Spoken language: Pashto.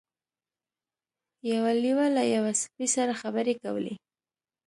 یو لیوه له یوه سپي سره خبرې کولې.